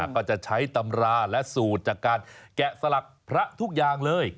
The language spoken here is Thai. ก็จะใช้ตำราและสูตรจากการแกะสลักพระทุกอย่างเลย